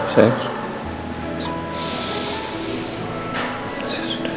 saya sudah mencukupi